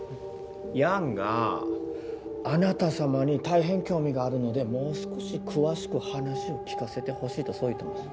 楊があなた様にたいへん興味があるのでもう少し詳しく話を聞かせてほしいとそう言ってます。